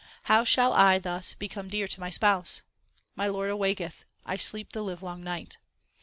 How shall I thus become dear to my Spouse ? My Lord awaketh ; I sleep the livelong night.